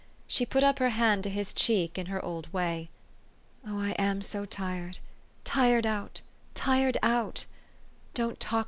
She put up her hand to his cheek in her old way. '' Oh, I am so tired ! tired out, tired out. Don't tall?